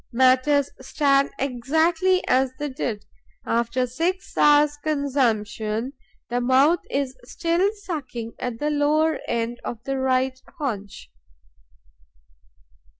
Matters stand exactly as they did: after six hours' consumption, the mouth is still sucking at the lower end of the right haunch.